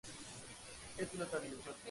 ¿ella no hubiese vivido?